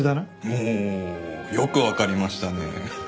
おおよくわかりましたね。